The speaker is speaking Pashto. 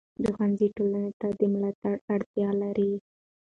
د ښوونځي ټولنې ته د ملاتړ اړتیا لري.